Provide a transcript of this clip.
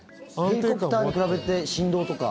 ヘリコプターに比べて振動とか？